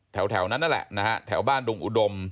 แถวนั้นนั่นแหละนะฮะแถวบ้านดุงอุดม